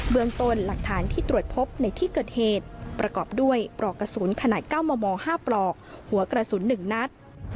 เมืองต้นหลักฐานที่ตรวจพบในที่เกิดเหตุประกอบด้วยปลอกกระสุนขนาด๙มม๕ปลอกหัวกระสุน๑นัด